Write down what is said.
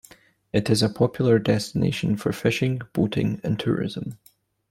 It is a popular destination for fishing, boating, and tourism.